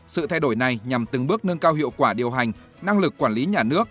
sự thay đổi này nhằm từng bước nâng cao hiệu quả điều hành năng lực quản lý nhà nước